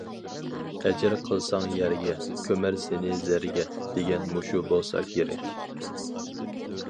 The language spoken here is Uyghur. « ئەجىر قىلساڭ يەرگە، كۆمەر سېنى زەرگە» دېگەن مۇشۇ بولسا كېرەك.